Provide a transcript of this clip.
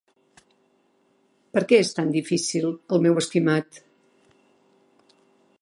Per què és tan difícil, el meu estimat?